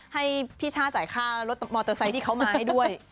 ให้พี่ช่าจ่ายค่ารถมอเตอร์ไซค์ที่เขามาให้ด้วย